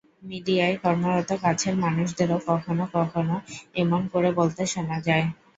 মিডিয়ায় কর্মরত কাছের মানুষদেরও কখনো কখনো এমন করে বলতে শোনা যায়।